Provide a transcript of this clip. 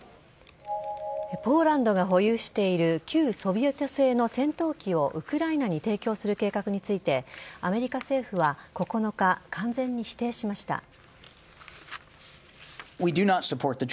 ポーランドが保有している旧ソビエト製の戦闘機をウクライナに提供する計画についてアメリカ政府は９日完全に否定しました。